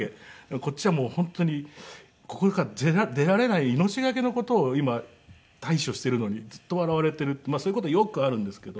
こっちはもう本当にここから出られない命懸けの事を今対処しているのにずっと笑われているそういう事よくあるんですけど。